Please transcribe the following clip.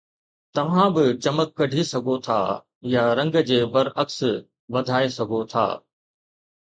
توهان به چمڪ ڪڍي سگهو ٿا يا رنگ جي برعڪس وڌائي سگهو ٿا